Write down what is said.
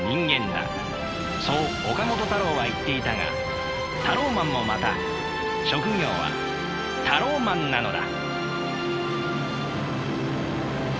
そう岡本太郎は言っていたがタローマンもまた職業はタローマンなのだ。